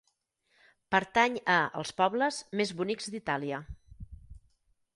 Pertany a Els pobles més bonics d'Itàlia.